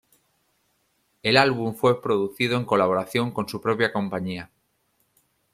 El álbum fue producido en colaboración con su propia compañía.